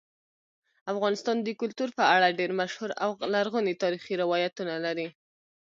افغانستان د کلتور په اړه ډېر مشهور او لرغوني تاریخی روایتونه لري.